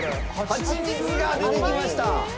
ハチミツが出てきました！